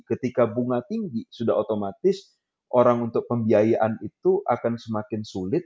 ketika bunga tinggi sudah otomatis orang untuk pembiayaan itu akan semakin sulit